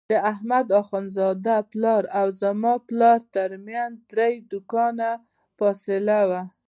د احمد اخوندزاده پلار او زما پلار ترمنځ درې دوکانه فاصله وه.